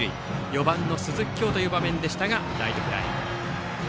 ４番の鈴木叶という場面でしたがライトフライ。